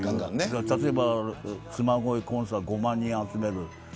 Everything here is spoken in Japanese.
例えば、つま恋コンサート５万人集める。